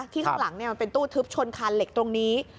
ข้างหลังมันเป็นตู้ทึบชนคานเหล็กตรงนี้